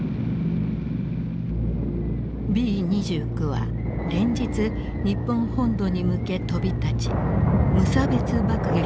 Ｂ２９は連日日本本土に向け飛び立ち無差別爆撃を続けた。